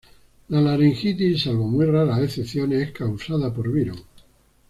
La laringitis, salvo muy raras excepciones, es causada por virus.